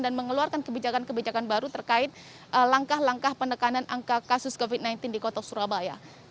dan mengeluarkan kebijakan kebijakan baru terkait langkah langkah penekanan angka kasus covid sembilan belas di kota surabaya